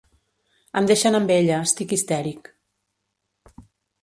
Em deixen amb ella, estic histèric.